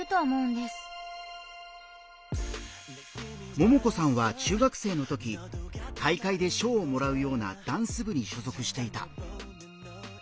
ももこさんは中学生のとき大会で賞をもらうようなダンス部に所属していた。